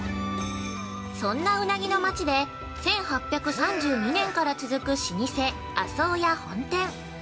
そんなウナギの町で１８３２年から続く老舗麻生屋本店。